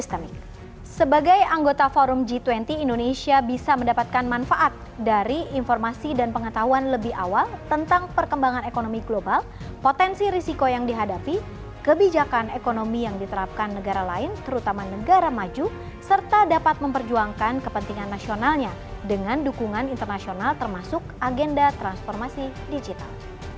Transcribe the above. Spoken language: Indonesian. sebagai anggota forum g dua puluh indonesia bisa mendapatkan manfaat dari informasi dan pengetahuan lebih awal tentang perkembangan ekonomi global potensi risiko yang dihadapi kebijakan ekonomi yang diterapkan negara lain terutama negara maju serta dapat memperjuangkan kepentingan nasionalnya dengan dukungan internasional termasuk agenda transformasi digital